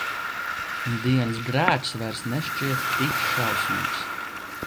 Un dienas grēks vairs nešķiet tik šausmīgs.